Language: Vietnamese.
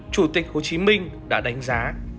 chủ tịch hồ chí minh đã đánh giá